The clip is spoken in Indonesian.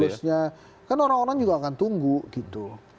harusnya kan orang orang juga akan tunggu gitu